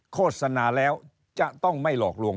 โฆษณาแล้วจะต้องไม่หลอกลวง